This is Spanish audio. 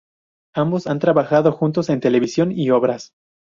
Ambos han trabajado juntos en televisión y obras.